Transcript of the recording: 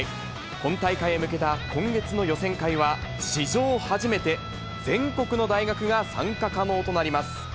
本大会へ向けた今月の予選会は、史上初めて全国の大学が参加可能となります。